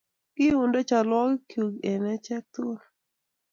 Kiundo chalwogikyuk en ech tugul